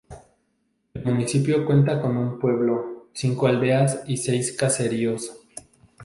El municipio cuenta con un pueblo, cinco aldeas y seis caseríos.